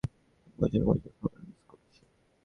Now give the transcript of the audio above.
অনেক মজার মজার খাবার মিস করছি।